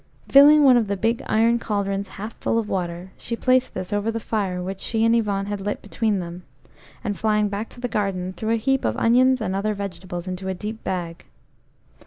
Filling one of the big iron cauldrons half full of water, she placed this over the fire which she and Yvon had lit between them, and flying back to the garden, threw a heap of onions and other vegetables into a deep bag.